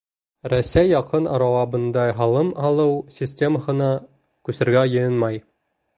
Рәсәй яҡын арала бындай һалым һалыу системаһына күсергә йыйынмай.